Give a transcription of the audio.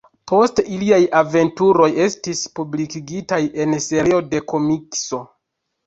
Poste iliaj aventuroj estis publikigitaj en serio de komikso.